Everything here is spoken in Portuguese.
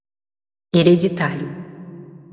hereditário